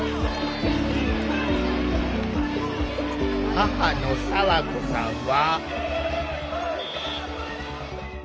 母の佐和子さんは。